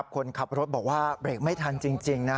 คนขับรถบอกว่าเบรกไม่ทันจริงนะ